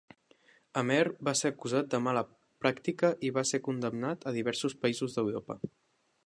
Hamer va ser acusat de mala pràctica i va ser condemnat a diversos països d'Europa.